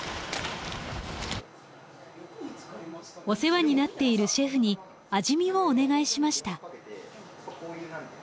お世話になっているシェフに味見をお願いしました。